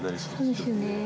そうですよね